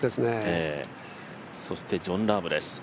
そしてジョン・ラームです。